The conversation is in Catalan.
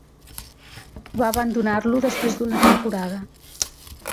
Va abandonar-lo després d'una temporada.